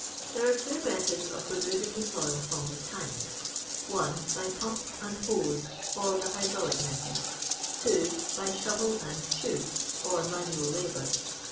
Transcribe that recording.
There are two methods of removing the soil from tho tanks :— 1. By pump and hose, or tho hydraulic method ; 2. By shovel and tube, or manual labour.